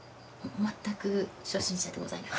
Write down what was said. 全く初心者でございます。